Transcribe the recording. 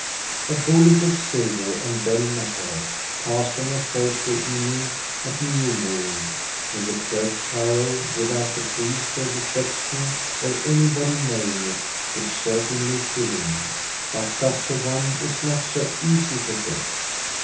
A bullet of silver and bell metal cast on a Thursday evening at new moon in the church tower without the priest or the sexton or anybody knowing it would certainly kill him, but such a one is not so easy to get.